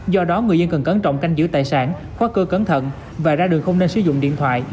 do đó người dân cần cẩn trọng canh giữ tài sản hóa cơ cẩn thận và ra đường không nên sử dụng điện thoại